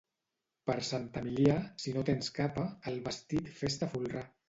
Per Sant Emilià, si no tens capa, el vestit fes-te folrar.